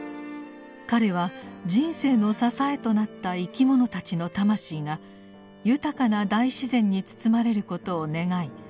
彼は人生の支えとなった生き物たちの魂が豊かな大自然に包まれることを願い